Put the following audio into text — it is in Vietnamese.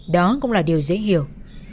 đó cũng là điều dễ hiểu